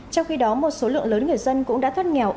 trong khi đó một số lượng lớn người dân cũng đã thoát nghèo